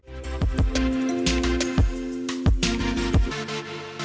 pdi perjuangan kota medan